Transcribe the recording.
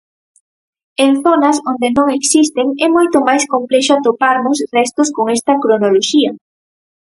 En zonas onde non existen é moito máis complexo atoparmos restos con esta cronoloxía.